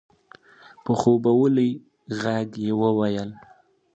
په خوبولي غږ يې وويل؛